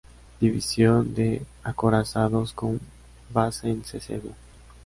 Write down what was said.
División de acorazados con base en Sasebo.